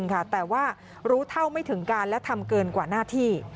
เป็นเจ้าหน้าที่โรงพยาบาลจริงค่ะแต่ว่ารู้เท่าไม่ถึงการและทำเกินกว่าหน้าที่